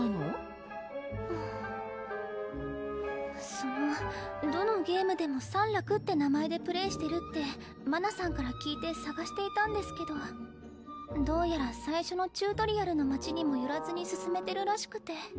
そのどのゲームでもサンラクって名前でプレイしてるって真奈さんから聞いて捜していたんですけどどうやら最初のチュートリアルの街にも寄らずに進めてるらしくて。